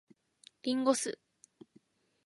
林檎酢